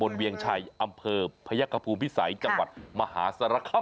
บริเวณเวียงชัยอำเภอพระยกภูมิศัยจังหวัดมหาสระค่ำ